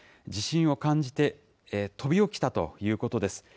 地震を感じて飛び起きたということです。